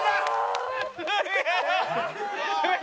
すげえ！